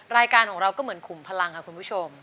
รายการของเราก็เหมือนขุมพลังค่ะคุณผู้ชม